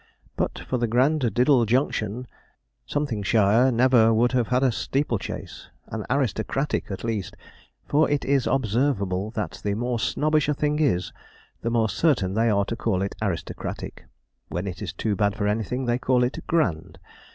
But for the Granddiddle Junction, shire never would have had a steeple chase an 'Aristocratic,' at least for it is observable that the more snobbish a thing is, the more certain they are to call it aristocratic. When it is too bad for anything, they call it 'Grand.'